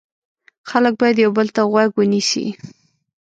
خلک باید یو بل ته غوږ ونیسي.